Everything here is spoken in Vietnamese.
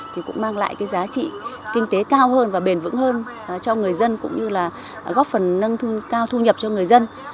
thì cũng mang lại cái giá trị kinh tế cao hơn và bền vững hơn cho người dân cũng như là góp phần nâng cao thu nhập cho người dân